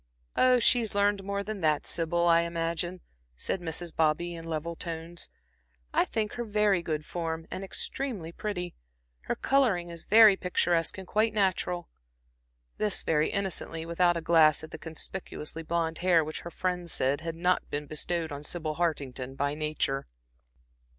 "Oh, she's learned more than that, Sybil, I imagine," said Mrs. Bobby, in level tones. "I think her very good form, and extremely pretty. Her coloring is very picturesque, and quite natural." This very innocently, without a glance at the conspicuously blonde hair which her friends said had not been bestowed on Sybil Hartington by nature.